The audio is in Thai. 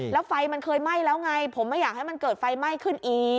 แล้วไฟมันเคยไหม้แล้วไงผมไม่อยากให้มันเกิดไฟไหม้ขึ้นอีก